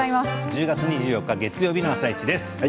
１０月２４日月曜日の「あさイチ」です。